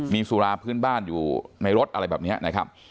มีสุราพื้นบ้านอยู่ในรถอะไรแบบนี้นะครับ